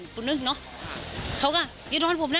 กูนึกเนอะเขาก็อย่าโดนผมนะ